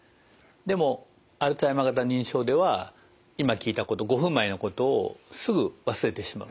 でもアルツハイマー型認知症では今聞いたこと５分前のことをすぐ忘れてしまう。